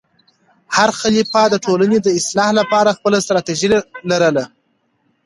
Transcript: هر خلیفه د ټولنې د اصلاح لپاره خپله ستراتیژي لرله.